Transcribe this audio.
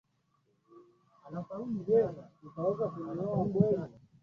Bahati na wengine kama yeye husoma hati za kawaida.